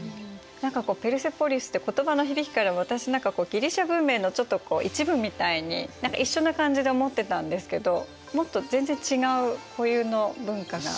何かペルセポリスって言葉の響きから私何かギリシア文明の一部みたいに一緒な感じで思ってたんですけどもっと全然違う固有の文化が。